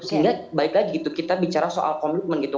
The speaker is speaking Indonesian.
sehingga baik lagi gitu kita bicara soal komitmen gitu